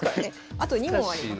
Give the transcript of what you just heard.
あと２問あります。